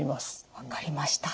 分かりました。